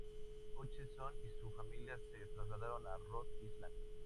Hutchinson y su familia se trasladaron a Rhode Island.